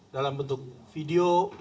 dalam bentuk video